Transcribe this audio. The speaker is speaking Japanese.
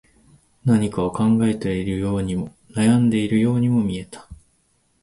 何かを考えているようにも、悩んでいるようにも見えた